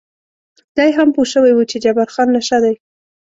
دی هم پوه شوی و چې جبار خان نشه دی.